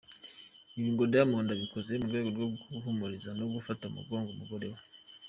Ibi ngo Diamond abikoze mu rwego rwo guhumuriza no gufata mu mugongo umugore we.